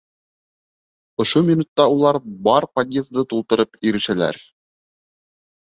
Ошо минутта улар бар подъезды тултырып ирешәләр.